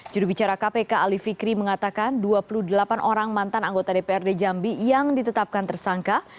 jurubicara kpk ali fikri mengatakan dua puluh delapan orang mantan anggota dprd jambi yang ditetapkan tersangka